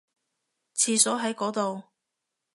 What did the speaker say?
廁所喺嗰度